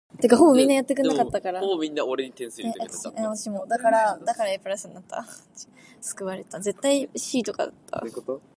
They exchange chocolate, champagne, and photographs of loved ones.